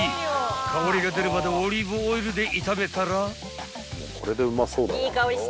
［香りが出るまでオリーブオイルで炒めたら］